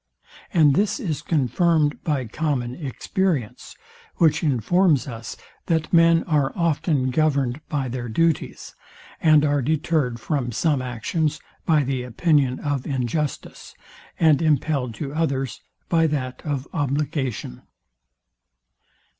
And this is confirmed by common experience, which informs us, that men are often governed by their duties, and are detered from some actions by the opinion of injustice, and impelled to others by that of obligation.